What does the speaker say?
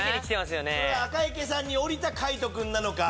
赤池さんに降りた海人君なのか。